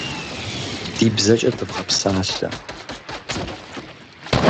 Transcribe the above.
Ди бзэкӏэ дывгъэпсалъэ!